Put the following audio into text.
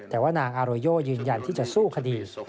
แต่ว่านางอาโรโยยืนยันที่จะสู้คดี